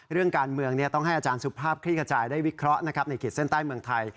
เรื่องการเมืองต้องให้อาจารย์สุภาพคลี่ขจายได้วิเคราะห์นะครับในขีดเส้นใต้เมืองไทย